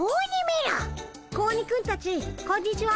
子鬼くんたちこんにちは。